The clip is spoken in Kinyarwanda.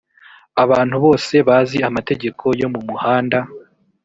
abantu bose bazi amategeko yo mu muhanda